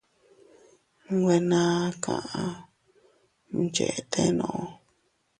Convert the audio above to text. Nwe naa kaʼa mchetenuu.